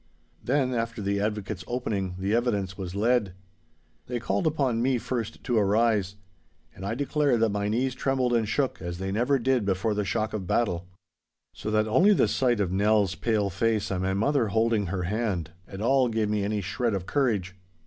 Then, after the advocate's opening, the evidence was led. They called upon me first to arise. And I declare that my knees trembled and shook as they never did before the shock of battle. So that only the sight of Nell's pale face and my mother holding her hand, at all gave me any shred of courage.